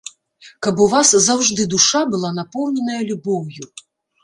Каб у вас заўжды душа была напоўненая любоўю!